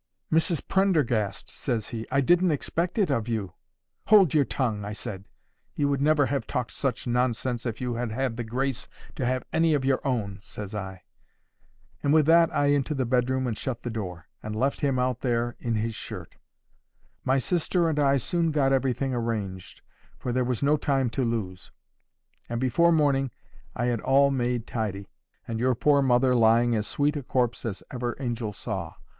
"Mrs Prendergast," says he, "I didn't expect it of you."—"Hold your tongue," I said. "You would never have talked such nonsense if you had had the grace to have any of your own," says I. And with that I into the bedroom and shut the door, and left him out there in his shirt. My sister and I soon got everything arranged, for there was no time to lose. And before morning I had all made tidy, and your poor mother lying as sweet a corpse as ever angel saw.